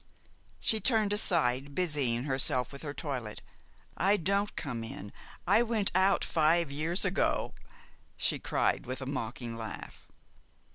She turned aside, busying herself with her toilet. "I don't come in. I went out five years ago," she cried, with a mocking laugh.